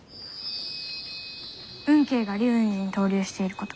・「吽慶が龍雲寺にとう留していること